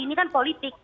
ini kan politik